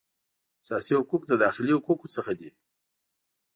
اساسي حقوق د داخلي حقوقو څخه دي